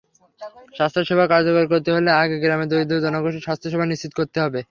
স্বাস্থ্যসেবা কার্যকর করতে হলে আগে গ্রামের দরিদ্র জনগোষ্ঠীর স্বাস্থ্যসেবা নিশ্চিত করতে হবে।